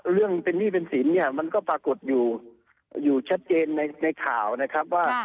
เรื่องเป็นหนี้เป็นสินเนี่ยมันก็ปรากฏอยู่ชัดเจนในข่าวนะครับว่า